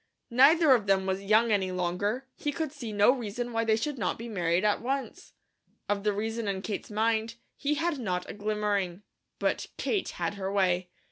Neither of them was young any longer; he could see no reason why they should not be married at once. Of the reason in Kate's mind, he had not a glimmering. But Kate had her way.